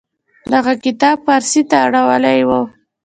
دغه کتاب پارسي ته اړولې و.